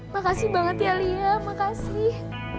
makasih banget ya alia makasih